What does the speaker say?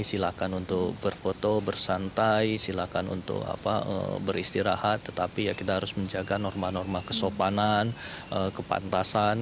silakan untuk berfoto bersantai silakan untuk beristirahat tetapi ya kita harus menjaga norma norma kesopanan kepantasan